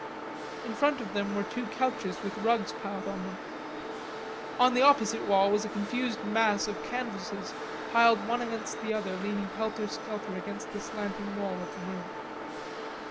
In front of them were two couches with rugs piled on them. On the opposite wall was a confused mass of canvases piled one against the other, leaning helter skelter against the slanting wall of the room.